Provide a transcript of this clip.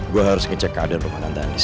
gue harus ngecek keadaan rumah tandanis